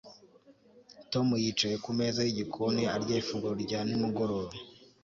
Tom yicaye kumeza yigikoni arya ifunguro rya nimugoroba